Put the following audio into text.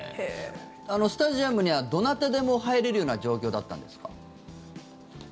スタジアムにはどなたでも入れるような状況だったんですか？